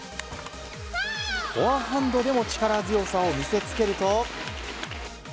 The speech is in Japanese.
フォアハンドでも力強さを見せつけると。